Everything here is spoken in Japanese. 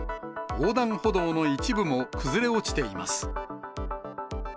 横断歩道の一部も崩れ落ちています。